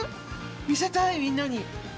見せたいみんなに。